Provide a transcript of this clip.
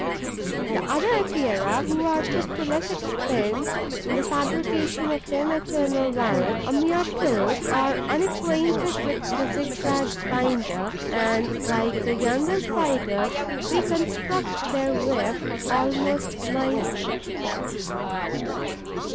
The other Epeirae, who are put to less expense in the fabrication of their maternal wallet a mere pill are unacquainted with the zigzag binder and, like the younger Spiders, reconstruct their web almost nightly.